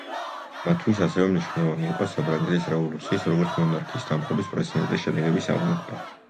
მათთვის ასევე მნიშვნელოვანი იყო საფრანგეთის რევოლუციის, როგორც მონარქიის დამხობის პრეცედენტის, შედეგების აღმოფხვრა.